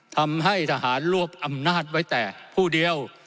ทำให้ทหารรวบอำนาจไว้แต่ผู้เดียว